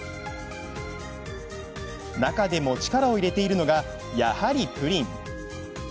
中でも力を入れているのがやはりプリン。